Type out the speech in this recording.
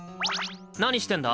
何してんだ？